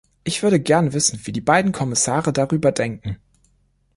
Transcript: Ich würde gern wissen, wie die beiden Kommissare darüber denken.